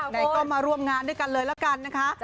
ไหนก็มาร่วมงานด้วยกันเลยละกันนะคะ